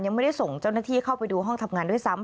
ยังไม่ได้ส่งเจ้าหน้าที่เข้าไปดูห้องทำงานด้วยซ้ำ